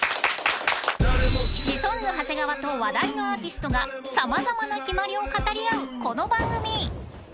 シソンヌ長谷川と話題のアーティストが様々なキマリを語り合うこの番組